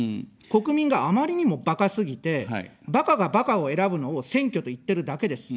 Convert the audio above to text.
国民があまりにも、ばかすぎて、ばかがばかを選ぶのを選挙と言ってるだけです。